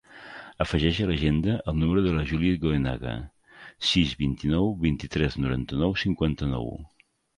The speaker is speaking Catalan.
Afegeix a l'agenda el número de la Juliet Goenaga: sis, vint-i-nou, vint-i-tres, noranta-nou, cinquanta-nou.